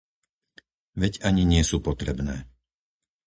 Veď ani nie sú potrebné.